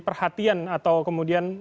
perhatian atau kemudian